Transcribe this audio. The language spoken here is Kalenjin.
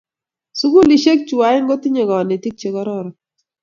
Sukulisyek chu aeng' kotinye kanetik che kororon.